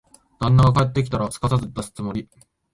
旦那が帰ってきたら、すかさず出すつもり。